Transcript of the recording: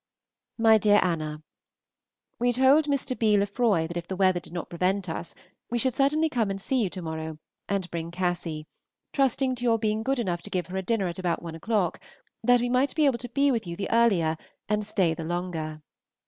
29). MY DEAR ANNA, We told Mr. B. Lefroy that if the weather did not prevent us we should certainly come and see you to morrow and bring Cassy, trusting to your being good enough to give her a dinner about one o'clock, that we might be able to be with you the earlier and stay the longer.